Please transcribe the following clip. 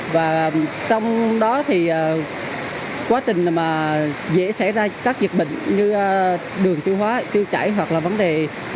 và trong đó thì quá trình dễ xảy ra các dịch bệnh như đường chứa chảy hoặc là vấn đề